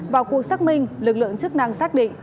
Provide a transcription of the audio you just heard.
vào cuộc xác minh lực lượng chức năng xác định